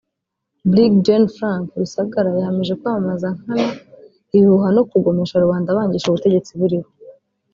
Brig Gen Frank Rusagara yahamijwe kwamamaza nkana ibihuha no kugomesha rubanda abangisha ubutegetsi buriho